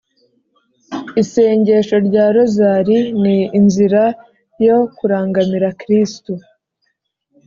isengesho rya rozali ni inzira yo kurangamira kristu: